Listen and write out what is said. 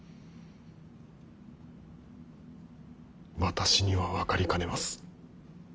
私には分かりかねます。